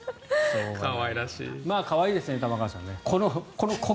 可愛いですね、玉川さん。